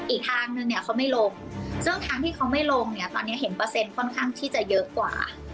อีกทางนึงเนี่ยเขาไม่ลงซึ่งทางที่เขาไม่ลงเนี่ยตอนนี้เห็นเปอร์เซ็นต์ค่อนข้างที่จะเยอะกว่า